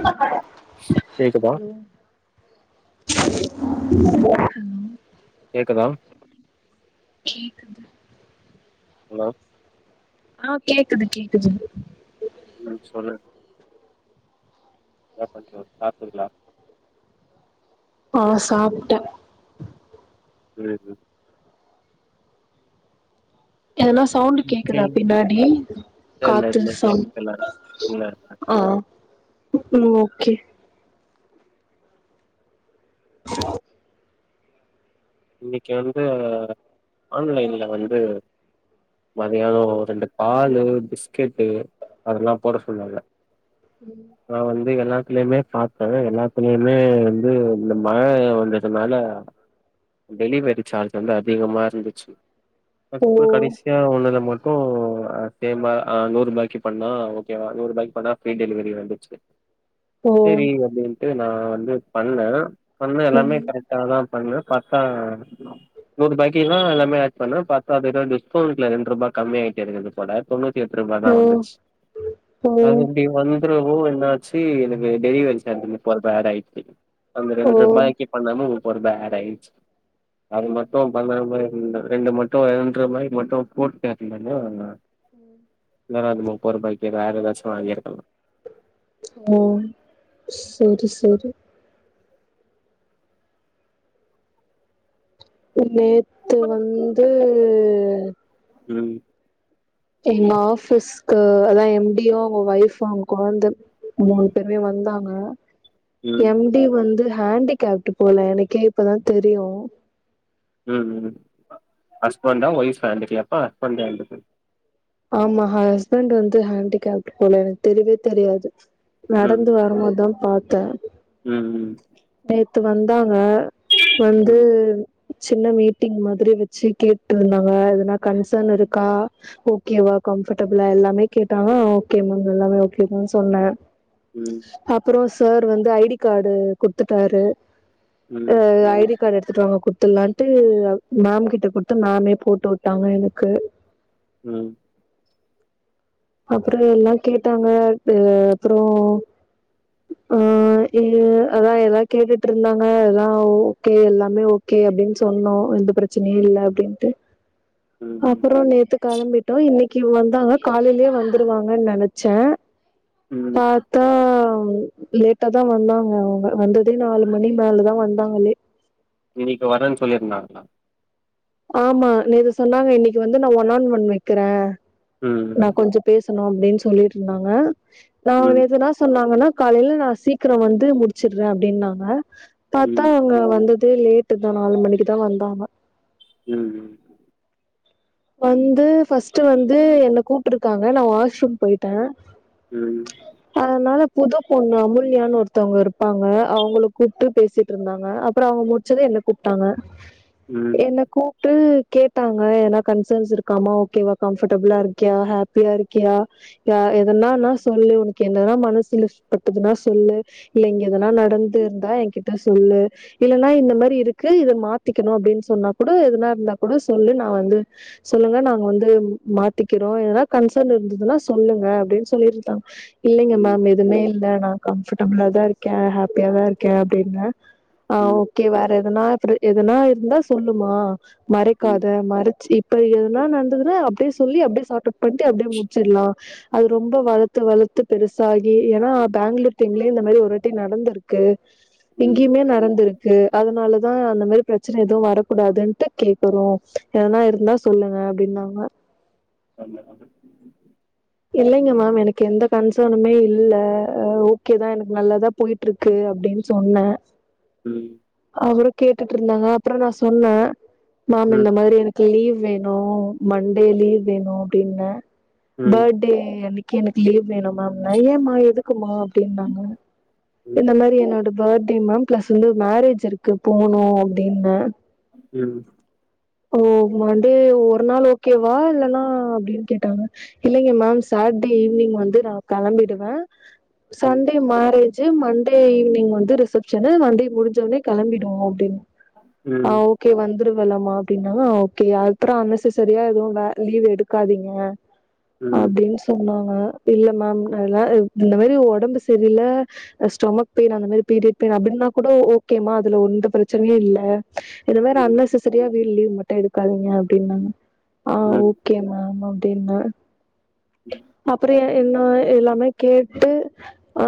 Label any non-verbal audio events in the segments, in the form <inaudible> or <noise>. ஒழுங்க பட்ரா கேக்குதா ஹலோ கேக்குதா கேக்குது ஹலோ ஆ கேக்குது கேக்குது ம் சொல்லு என்ன பண்றிங்க சாப்டீங்ளா ஆ சாப்ட்ட இன்னாது எதனா சவுண்டு கேக்குதா ம் பின்னாடி இல்ல இல்ல காத்து எதுமே சவுண் கேக்கல இல்ல ஆ ம் ஓகே இன்னிக்கி வந்து ஆன்லைன்ல வந்து மதியானோ ரெண்டு பாலு பிஸ்கெட்டு அதெல்லா போட சொன்னாங்க ம் நா வந்து எல்லாத்துலயுமே பாத்தே எல்லாத்துலயுமே வந்து இந்த மழ வந்ததுனால டெலிவெரி சார்ஜ் வந்து அதிகமா இருந்துச்சு ஓ அப்பகூட கடைசி யா உள்ளத மட்டு அ சேமா அ நூறுபாய்க்கி பண்ணா ஓகேவா நூறுபாய்க்கி பண்ணா ஃப்ரீ டெலிவெரி வந்துச் சு ஓ செரி அப்டின்ட்டு நா வந்து பண்ணே பண்ண எல்லாமே ம் கரெக்டா தா பண்ண பாத்தா நூறுபாய்க்கில்லா எல்லாமே ஆட் பண்ண பாத் அதுதா டிஸ்கவுண்ட்ல ரெண்ருபா கம்மி ஆயிட்டிருந்துது போல தொண்ணூத்தி எட்டுருபாதா ஓ வந்துச்சு ஓ அது இப்டி வந்துறவோ என்னா ச்சி எனக்கு டெலிவெரி சார்ஜு முப்பருபா ஆட் ஆய்ட்ச்சி அந்த ஓ ரெண்ட்ருபாய்க்கி பண்ணாம முப்பருபா ஆட் ஆய்ட்ச்சு அது ம் மட்டு பண்ணாம இந்த ரெண்டு மட்டு ரெண்ட்ருபாய்க்கி மட்டு போட்டே அதிகமா இல்லானா அந்த முப்பருபாய்க்கி வேற எதாச்சு வாங்கியிருக்கலா ஓ செரி செரி ம் நேத்து வந்து ம் எங்க ஆஃபீஸ்க்கு அதா எம் டி யு அவங்க வொய்ஃபு அவங்க கொழந்த மூணு பேருமே வந்தாங்க ம் எம் டி வந்து ஹேண்டிகேப்ட்டு போல எனக்கே இப்பதா தெரியு ம் ம் ஹஸ்பண்டா ஒய்ஃப் ஹேண்டிகேப்பா ஹஸ்பண்ட் ஹேண்டிகேப் ஆமா ஹஸ்பண்ட் வந்து ஹேண்டிகேப்ட்டு போல எனக் தெரியவே தெரியாது நடந்து வரம்போத் தா பாத்தே ம் ம் நேத்து வந்தாங்க வந்து ம் சின்ன மீட்டிங் மாதிரி வெச்சு கேட்டுருந்தாங்க எதுனா கன்சர்ன் இருக்கா ஓ கேவா கம்ஃபடபிளா எல்லாமே கேட்டாங்க அ ஓகே மேம் எல்லாமே ஓகே தா சொன்னே ம் அப்பறோ சார் வந்து ஐ டி கார்டு குட்த்துட்டாரு ம் அ ஐ டி கார்ட் எடுத்துட்டுவாங்க குட்த்துலான்ட்டு மேம் கிட்ட குட்த்து மேமே போட்டு விட்டாங்க எனக்கு ம் அப்பறோ எல்லா கேட்டாங்க அ அப்பறோ ஆ எ அதா எதா கேட்டுட்ருந்தாங்க எல்லா ஓகே எல்லாமே ஓகே அப்டின் சொன்னோ எந்த பிரச்சனையு இல்ல அப்டின்ட்டு ம் அப்பறோ நேத்து கெளம்பிட்டோ இன்னைக்கி வந்தாங்க காலைலே வந்துருவாங்கன் நெனைச்சே ம் ம் பாத் தா லேட்டா தா வந்தாங்க அவுங்க வந்ததே நாலு மணி மேல தா வந்தாங்களே இன்னிக்கு வரன் சொல்லீர்ந்தாங்ளா ஆமா நேத்து சொன்னாங்க இன்னைக்கு வந்து நா ஒன் ஆன் ஒன் வெக்கிறே நா ம் கொஞ்ச பேசணு அப்டின் சொல்லீட்ருந்தாங்க நா ம் எதுனா சொன்னாங்கன்னா காலைல நா சீக்கரோ வந்து முடிச்சிட்றே அப்டின்னாங்க பாத்தா ம் அவுங்க வந்ததே லேட்டு தா நாலு மணிக்கு தா வந்தாங்க ம் ம் வந்து ஃபஸ்ட்டு வந்து என்ன கூப்ட்ருக்காங்க நா வாஷ்ரூம் போய்ட்டே ம் அதனால புது பொண்ணு அமுல்யானு ஒருத்தவங்க இருப்பாங்க அவங்கள கூப்ட்டு பேசிட்ருந்தாங்க அப்பறோ அவங்க முட்ச்சது என்ன கூப்ட்டாங்க <unintelligible> என்ன கூப்ட்டு கேட்டாங்க எனா கன்சர்ன்ஸ் இருக்காமா ஓகேவா கம்ஃபடபிளா இருக்கியா ஹேப்பியா இருக்கியா யா எதனான்னா சொல்லு உனக் என்னதா மனசுலப்பட்டதுன்னா சொல்லு இல்ல இங்க எதனா நடந்திர்ந்தா எங்கிட்ட சொல்லு இல்லனா இந்த மாரி இருக்கு இத மாத்திக்கணு அப்டின் சொன்னா கூட எதுனா இர்ந்தா கூட சொல்லு நா வந்து சொல்லுங்க நாங் வந்து ம் மாத்திக்கிறோ எதனா கன்சர்ன் இருந்துதுன்னா சொல்லுங்க அப்டின் சொல்லீர்ந்தாங்க இல்லைங்க ம் மேம் எதுமே இல்ல நா கம்ஃபடபிளா தா இருக்கே ஹேப்பியா தா இருக்கே அப்டின்ன ஆ ம் ஓகே வேற எதனா த்ரு எதனா இருந்தா சொல்லுமா மறைக்காத மறச் இப்ப எ எதுனா நட்ந்துதுன்னா அப்டியே சொல்லி அப்டியே ஷாட் அப் பண்ட்டு அப்டியே முடிச்சிர்லா அத ரொம்ப வளத்து வளத்து பெருசாகி ஏனா பேங்ளூர் டீம்ல இந்த மாரி ஒரு வாட்டி நடந்திருக் க்கு ம் இங்கயுமே நடந்துரு க்கு அதனாலதான் அந்த மாரி பிரச்சனை எதுவும் வர கூடாதுன்ட்டு கேக்குறோம் எவன்னா இருந்தா சொல்லுங்க அப்டின்னாங்க வரல அங்குட்டு இல்லைங்க மேம் எனக்கு எந்த கன்சர்னுமே இல்ல ஓகேதான் எனக்கு நல்லாதான் போய்ட்டு இருக்கு அப்டின்னு சொன்ன ம் அப்பறம் கேட்டுட்டு இருந்தாங்க அப்பறம் நான் சொன்ன மாம் இந்த ம் மாரி எனக்கு லீவ் வேணும் மண்டே லீவ் வேணும் அப்டின்ன ம் பர்த்டே அன்னிக்கு எனக்கு லீவ் வேணும் மேம்ன்ன ஏன்மா எதுக்குமா அப்டின்னாங்க ம் ம் இந்த மாரி என்னோட பர்த்டே மேம் பிளஸ் வந்து மேரேஜ் இருக்கு போனும் அப்டின்ன ம் ஓ மண்டே ஒரு நாள் ஓகேவா இல்லன்னா அப்டின்னு கேட்டாங்க இல்லைங்க மேம் சார்ட்டே ஈவி்னிங் வந்து நான் கிளம்பிடுவேன் ம் ம் சண்டே மேரேஜ் மண்டே ஈவினிங் வந்து ரிசப்ஷனு மண்டே முடிஞ்சவனே கிளம்பிடுவோம் அப்டின்ன ம் ஓகே வந்துருவ இல்லமா அப்டிநாளும் ஓகே அப்பறம் அன்நசசரியா எதுவும் வ லீவு எடுக்காதீங்க ம் ம் அப்டின்னு சொன்னாங்க சொன்னாங்க அப்டில்ல மேம் அதெல்ல இந்த மேரி ஒடம்பு செரில்ல ஸ்டொமக் பெயின் அந்த மாரி பீரியட் பெயின் அப்டின்னா கூடோ ஓகேம்மா அதுல ஒந்த பிரச்சனயும் இல்ல இது வேற அன்நெசசரியா வீ லீவ் மட்டும் எடுக்காதீங்க அப்டின்னாங்க ஆ ஓகே மேம் அப்டின்ன அப்பறம் என்னா எல்லாமே கேட்டு ஆ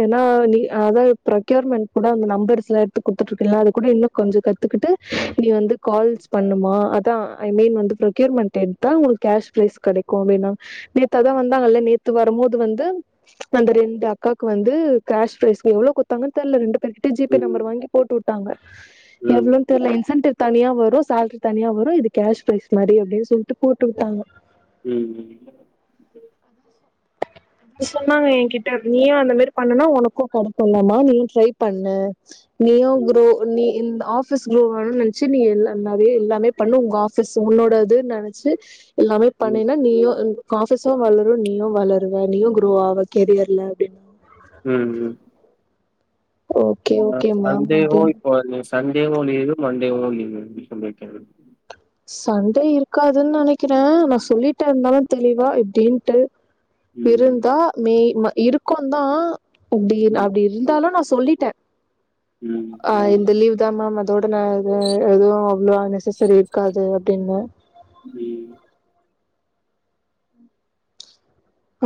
ஏன்னா நீ அத ப்ரக்யூர்மெண்ட் கூட அந்த நம்பர்ஸ்ல எடுத்து குத்துட்டு இருக்கீங்க அது கூட இன்னும் கொஞ்சோ கத்துக்கிட்டு நீ வந்து கால்ஸ் பண்ணுமா அதான் ஐ மீன் வந்து ப்ரக்யூர்மெண்டட் எடுத்தா உனக்கு கேஷ் ப்ரைஸ் கிடைக்கும் அப்டின்னா நேத்து அதான் வந்தாங்கல்ல நேத்து வரம்போது வந்து அந்த ரெண்டு அக்காக்கு வந்து கேஷ் பிரைஸ் எவ்ளோ குத்தாங்கன் தெர்ல ரெண்டு பேரு கிட் ட்ட ஜிபே நம்பர் ம் வாங்கி போட்டு உட்டாங்க எவ்ளோன் தெர்ல இன்சென்டிவ் தனியா வரும் சேல்ரி தனியா வரும் இது கேஷ் ப்ரைஸ் மாரி அப்டின் சொல்ட்டு போட்டுஉட்டாங்க ம் ம் ம் ஆ சோ சொன்னாங்க என்கிட்ட நீயும் அந்த மாரி பண்ணனா உனக்கும் கிடைக்கும் இல்ல மா நீயும் ட்ரை பண்ணு நீயு க்ரோ நி இந் ஆப் ஆபீஸ் க்ரோ அகனு நினைச்சு நீ ந நறையா எல்லாமே பண்ணு உங்க ஆபீஸ் உன்னோடதுன்னு நினைச்சு எல்லாமே ம் பண்ணீனா நீயும் ஆபீஸ் வளரும் நீயும் வள ருவ நீயும் குரோ ஆவ கெரியர்ல அப்டின்னா ம்ம் ஓகே ஆ ஓகே மேம் சண்டேவோ அப்டின்னு இப்போ நீ சண்டேவோலீவு மண்டேவோலீவு எப்டி சொல்ல வைக்கிறது சண்டே இருக்காதுன் நெனக்கிறேன் நா சொல்லிட்டே இருந்தாலும் தெளிவா இப்டின்ட்டு ம். இருந்தா மே ய் இருக்கும் தான் அப்டி ம். அப்டி இந்தாலும் நா சொல்லிட்டேன் ம். ஆ இந்த லீவ் த மேம் அதோட ந ஆ எதுவும் அவ்ளோ அன்நெசசரி இருக்காது அப்டின்ன பி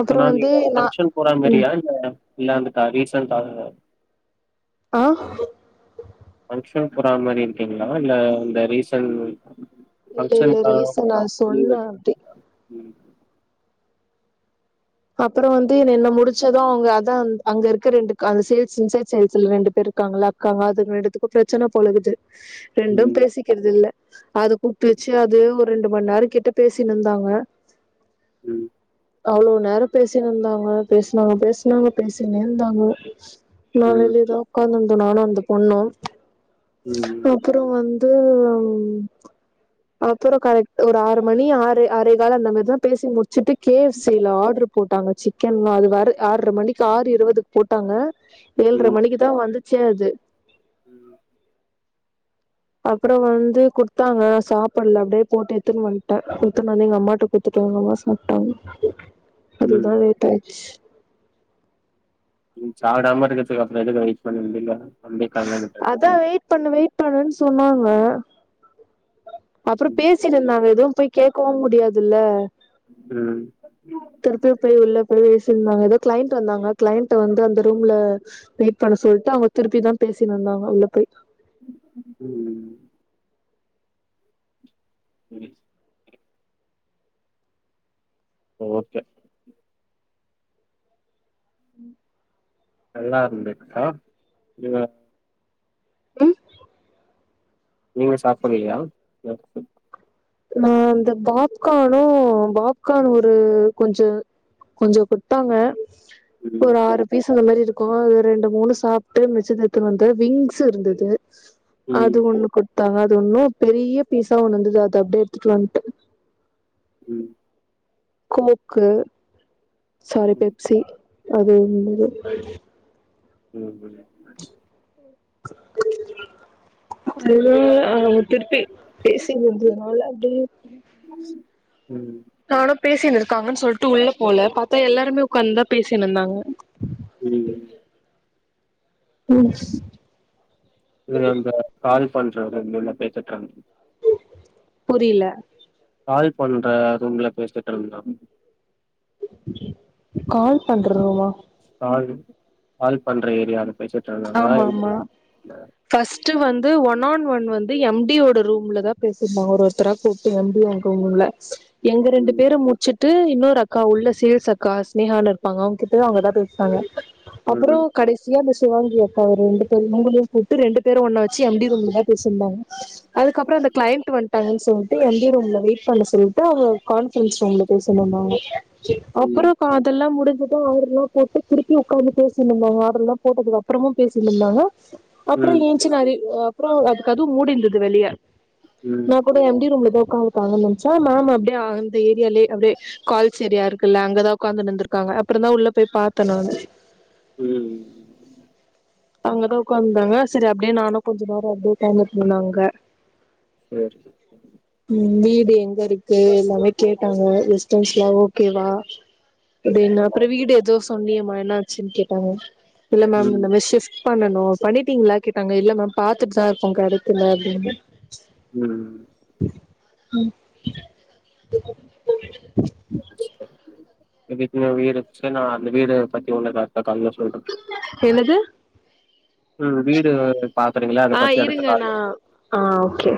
அப்றோ ஆனா வந்து நீங்க நா பங்க்ஷன் போறா மாியா இல்ல இல்ல அந்துக்கா ரீசென்டா ஆ பங்க்ஷன் போறா மாரி இருக்கீங்ளா இல்ல இந்த ரீசன் இல்ல இல்ல ரீசன் நா சொன்னே எடுத்து அப்டி ம். அப்புற வந்து என்ன என்ன முடிச்சதோ அவங்க அதான் அங்க இருக்க ரெண்டு அந்த சேல்ஸ் இன்சைட் சேல்ஸ்ல ரெண்டு பேர் இருக்காங்கள காங்க அதுங்க ரெண்டத்துக்கு பிரச்சன போலகுது ரெண்டும் ம். பேசிக்கிறது இல்ல அத கூப்டு வெச்சி அது ஒரு ரெண்டு மண் நேரம் கிட்ட பேசின்னுந்தாங்க ம் அவ்ளோ நேரம் பேசின்னுந்தாங்க பேசுனாங்க பேசுனாங்க பேசிக்கின்னே இருந்தாங்கோ நா ம். வெளியதா உக்காந்துருந்தே நானு அந்த பொண்ணு ம். அப்பற வந் அப்பற கரெக்ட் ஒரு ஆறு மணி ஆறு ஆறே கால் அந்த மாரிதா பேசி முடிச்சுட்டு கே எஃப் சில ஆர்டரு போட்டாங்க சிக்கன் அது வரு ஆற மணிக்கு ஆறு இருவது போட்டாங்க ஏழுர மணிக்குதா வந்துச்சே அது ம் அப்புற வந்து கொட்த்தாங்க சாப்பட்ல அப்டே போட்டு எத்துன் வன்ட்டே கொத்துன்னனு வந்து எங்க அம்மாட்ட எத்துட்டாங்கமா சாப்டாங்க அதுதா ம். லேட் ஆயிச்சு ம் சாபுடாம இருக்கது அப்றொதுக்கு வெயிட் பண்றீங்க அதா வெயிட் பண்ணு வெயிட் பண்ணு சொன்னாங்க அப்பற ம். பேசி ச்சேரி நாங்க எதுவும் போய் கேட்கவு முடியாதுல்ல ம் திருப்பி போய் உள்ள போய் பேசிருந்தாங்க எதோ கிளைன்ட் வந்தாங்க கிளைன்ட் வந்து அந்த ரூம்ல வெயிட் பண்ண சொல்ட்டு அவங்க திருப்பி தா பேசின்னுந்தாங்க உள்ள போய் ம் ரிலிஸ் ஓகே ம் நல்லா இருந்துச்சா நீங்க ம் நீங்க சாப்பிடலையா நான் இந்த டாப்கானும் பாப்கான் ஒரு கொஞ்ச கொஞ்ச குட்த்தாங்க ஒரு ஆறு பீஸூ அந்த மாரிருக்கு அது ரெண்டு மூணு சாப்ட்டு மிச்சத்தத் எடுத்துனு வந்த வீங்ஸ் இருந்தது அது ம் ஒன்னு குட்த்தாங்க அது ஒன்னு பெரிய பீஸா ஒன்னு வந்தது அத அப்டியே எடுத்துட்டு வந்டே ம் கோக்கு சாரி பெப்சி அது இருந்தது <inaudible> அதுல அவ திருப்பி பேசி முஞ்சதுனால அப்டியே ம் தொடப் பேசின்னு இருக்காங்கன்னு சொல்ட்டு உள்ள போல பாத்தா எல்லாருமே உக்காந்துந்தா பேசின்னு இருந்தாங்க ம் <inaudible> இல்ல அந்த கால் பண்றாங்க உள்ள கை தட்றாங்க புரியில கால் பண்ற ரூம்ல பேசிட்டுருந்தோ கால் பண்ற ரூமா கால் கால் பண்ற ஏரியால பேசிட்ருந்தாங்களா ஆமா எங்க ஆமா பேசிட்ருந்தாங்க? ஃபர்ஸ்ட் வந்து ஒன் ஆன் ஒன் வந்து எம் டி ஓட ரூம்ல தா பேசிருந்தாங்க ஒரு ஒருத்தரா கூப் நம்பி அங்க ஒண்ணு இல்ல எங்க ரெண்டு ம் பேரும் முடிச்சுட் டு இன்னொரு அக்கா உள்ள சேல்ஸ் அக்கா சினேகான்னு இருப்பாங்க அவங்ககிட்டதா அவங்க எதா பேசுவாங்க அப்பறோ ம் கடைசியா மிஸ் சிவாங்கி அக்காவ ரெண்டு பேரயு உங்களையு கூப்ட்டு ரெண்டு பேரு ஒன்னா வச்சு எம் டி ரூம்லதா பேசிருந்தாங்க அதுக்கப்பறோ அந்த கிளைண்ட் வன் டாங்கன் சொல்லிட்டு எம் டி ரூம்ல வெயிட் பண்ண சொல்லிட்டு அவங்க கான்பரன்ஸ் ரூம்ல பேசணுன்னாங்க ம் அப்பறோ கா அதெல்லா முடிஞ்சிட்டு ஆர்டர் எல்லா போட்டு திருப்பி ஒக்காந்து பேசினு இருந்தாங்க ஆர்டர்ல்லா போட்டதுக்கு அப்பறமு பேசினுருந்தாங்க அப்பறோ ம் ச்சி மாரி அப்பறோ அது கதவு மூடிருந்தது வெளிய நா ம் கூ ட எம் டி ரூம்பலதா ஒக்காந்து இருப்பாங்கனு நெனச்சா மேம் அப்டியே அந்த ஏரியாலே அப்டியே கால்ஸ் ஏரியா இருக்குல்ல அங்கதா ஒக்காந்துன்னு இந்திருக்காங்க அப்பறந்தா உள்ள போய் பாத்தே நானு ம் அங்கதா ஒக்காந்துந்தாங்க சேரி அப்டியே நானு கொஞ்ச நேரோ அப்டியே ஒக்காந்துட்டு இருந்தே அங்க சேரி ம் வீடு எங்க இருக்கு எல்லாமே கேட்டாங்க கெஸ்ட் ஹவுஸ்ல்லா ஓகேவா அப்டின்னு ஆமா அப்பறோ வீடு ஏதோ சொன்னியேமா என்ன ஆச்சுன்னு கேட்டாங்க இல்ல மேம் இந்த ம் விஷ்சஷ் பண்ணணு பண்ணிட்டீங்களா கேட்டாங்க இல்ல மேம் பாத்துட்டு தா இருக்கோ கெடைக்கல அப்டின்னு ம் ம் எதுக்குன்னா வீடு புடிச்சிட்டா நா அந்த வீடு பத்தி ஒண்ணு காட்ல கால்ல சொல்றே என்னது ம் வீடு பாக்றீங்களா ஆ இருங்க நா ஆ ஓகே